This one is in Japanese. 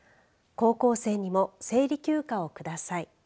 高校生にも生理休暇をください。